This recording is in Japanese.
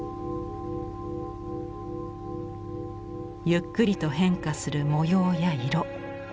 ゆっくりと変化する模様や色。